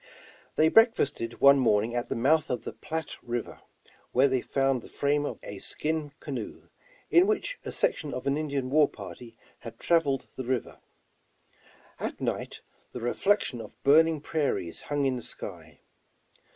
They breakfasted one morning at the mouth of the Platte River, where they found the frame of a skin canoe, in which a section of an Indian war party had traveled the river. At night the reflection of burning prairies hung in the sky.